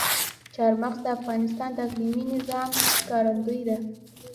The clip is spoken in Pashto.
چار مغز د افغانستان د اقلیمي نظام ښکارندوی ده.